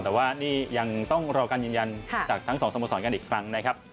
แต่ว่านี่ยังต้องรอการยืนยันจากทั้งสองสโมสรกันอีกครั้งนะครับ